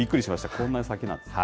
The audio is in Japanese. こんなに先なんですね。